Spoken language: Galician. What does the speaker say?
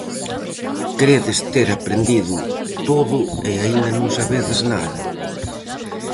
Credes ter aprendido todo e aínda non sabedes nada.